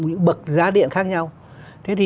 những bậc giá điện khác nhau thế thì